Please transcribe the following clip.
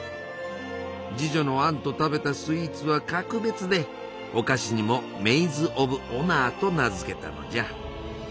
侍女のアンと食べたスイーツは格別でお菓子にも「メイズ・オブ・オナー」と名付けたのじゃ。